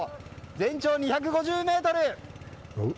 全長２５０ｍ！